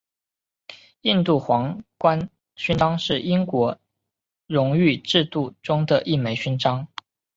印度皇冠勋章是英国荣誉制度中的一枚勋章。